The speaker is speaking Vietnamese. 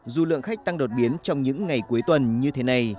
dù lượng khách tăng đột biến trong những ngày cuối tuần như thế này